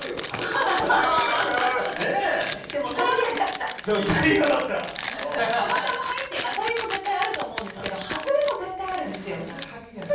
たまたま入って当たりも絶対あると思うんですけど外れも絶対あるんですよ。